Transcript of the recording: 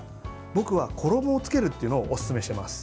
僕は衣をつけるっていうのをおすすめしています。